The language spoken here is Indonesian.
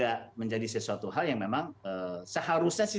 karena sebenarnya sedang turun